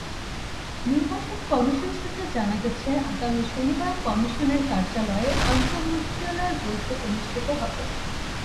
নির্বাচন কমিশন সূত্রে জানা গেছে, আগামী শনিবার কমিশনের কার্যালয়ে আন্তমন্ত্রণালয়ের বৈঠক অনুষ্ঠিত হবে।